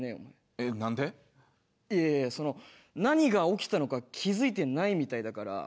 いやいやその何が起きたのか気付いてないみたいだから。